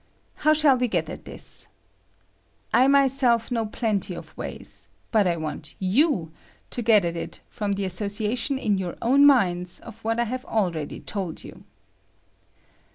How shall we get at this? I myself know plenty of ways, but I want you to get at it from the association in your own minds of what I have abeady told you.